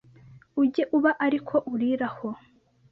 ujye uba ariko uriraho